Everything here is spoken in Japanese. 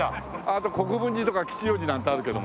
あと国分寺とか吉祥寺なんてあるけども。